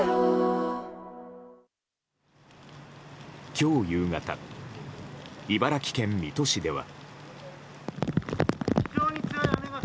今日夕方茨城県水戸市では。